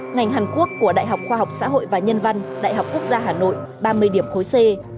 ngành hàn quốc của đại học khoa học xã hội và nhân văn đại học quốc gia hà nội ba mươi điểm khối c